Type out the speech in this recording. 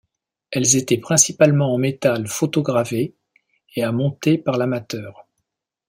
Elles étaient principalement en métal photo-gravé et à monter par l'amateur.